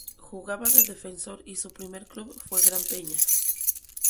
Jugaba de defensor y su primer club fue Gran Peña.